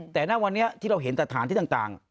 แต่ณวันนี้ที่เราเห็นสถานที่ต่าง